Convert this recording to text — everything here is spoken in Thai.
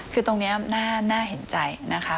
คือตรงนี้น่าเห็นใจนะคะ